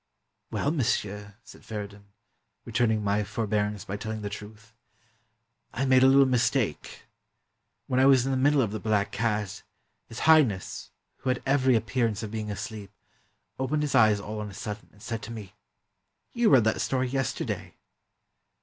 "Well, monsieur," said Feridun, returning my for bearance by telling the truth. "I made a little mistake. When I was in the middle of 'The Black Cat,' His High ness, who had every appearance of being asleep, opened his eyes all on a sudden, and said to me, ' You read that story yesterday.'